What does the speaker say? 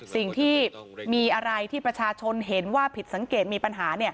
สิ่งที่มีอะไรที่ประชาชนเห็นว่าผิดสังเกตมีปัญหา